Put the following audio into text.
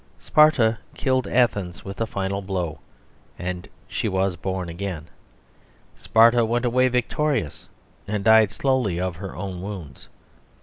Sparta killed Athens with a final blow, and she was born again. Sparta went away victorious, and died slowly of her own wounds.